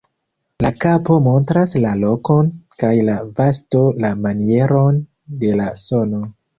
La kapo montras la lokon kaj la vosto la manieron de la sono.